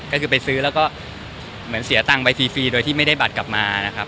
ก็คือไปซื้อแล้วก็เหมือนเสียตังค์ไปฟรีโดยที่ไม่ได้บัตรกลับมานะครับ